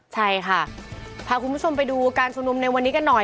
ใช่ค่ะพาคุณผู้ชมไปดูการชุมนุมในวันนี้กันหน่อย